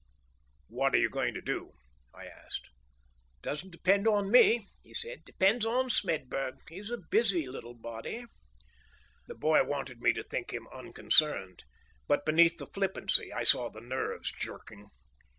"What are you going to do?" I asked. "Doesn't depend on me," he said. "Depends on Smedburg. He's a busy little body!" The boy wanted me to think him unconcerned, but beneath the flippancy I saw the nerves jerking.